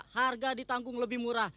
harga ditanggung lebih murah